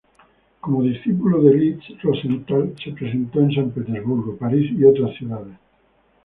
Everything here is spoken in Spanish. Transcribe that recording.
Como discípulo de Liszt, Rosenthal se presentó en San Petersburgo, París y otras ciudades.